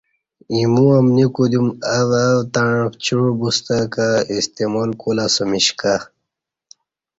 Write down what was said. ایمو امنی کدیوم او او تݩع پڅیوع بوستہ کہ استعمال کولہ اسمش کہ